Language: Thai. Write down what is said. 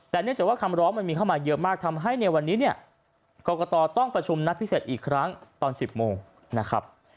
แต่เนื่องจากว่าคำร้องมันมีเข้ามาเยอะมากทำให้ในวันนี้เนี่ยกรกตต้องประชุมนัดพิเศษอีกครั้งตอน๑๐โมงนะครับ